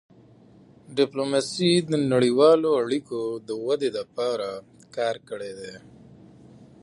ډيپلوماسي د نړیوالو اړیکو د ودې لپاره کار کړی دی.